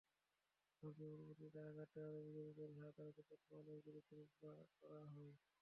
ধর্মীয় অনুভূতিতে আঘাত দেওয়ার অভিযোগে বরিশালের আদালতে প্রথম আলোর বিরুদ্ধে মামলা করা হয়েছে।